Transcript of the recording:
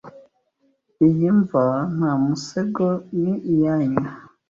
Iyi mva nta musego ni iyanyu